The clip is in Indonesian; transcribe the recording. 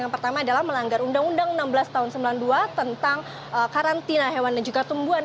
yang pertama adalah melanggar undang undang enam belas tahun sembilan puluh dua tentang karantina hewan dan juga tumbuhan